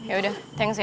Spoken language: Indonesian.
ya udah thanks ya